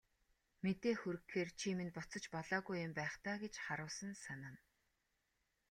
Мэдээ хүргэхээр чи минь буцаж болоогүй юм байх даа гэж харуусан санана.